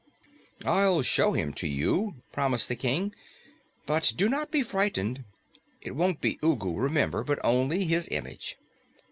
"Then I'll show him to you," promised the King. "But do not be frightened. It won't be Ugu, remember, but only his image."